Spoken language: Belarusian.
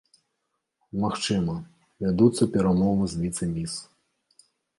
Магчыма, вядуцца перамовы з віцэ-міс.